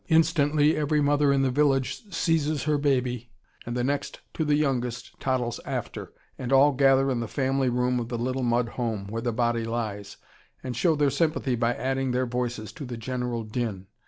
Instantly every mother in the village seizes her baby and the next to the youngest toddles after, and all gather in the family room of the little mud home, where the body lies, and show their sympathy by adding their voices to the general din.